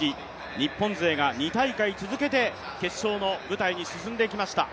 日本勢が２大会続けて決勝の舞台に進んでいきました。